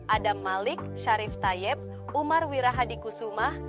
adam malik syarif tayeb umar wirahadi kusumah